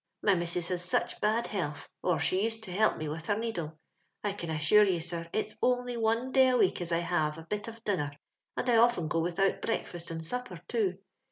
My missus has such bad health, or she used to help me with her needle. I can assure you, sir, it's only one day a week as I have a bit of dinner^ and I often go without breakfast and anpper, too.